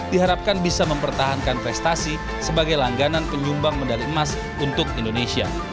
diharapkan bisa mempertahankan prestasi sebagai langganan penyumbang medali emas untuk indonesia